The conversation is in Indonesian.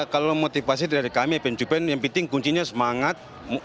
kalau motivasi dari kami event juven yang penting kuncinya semangat